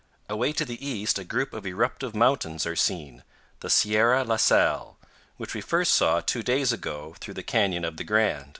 Away to the east a group of eruptive mountains are seen the Sierra La Sal, which we first saw two days ago through the canyon of the Grand.